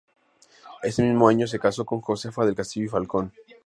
Ese mismo año se casó con Josefa del Castillo y Falcón.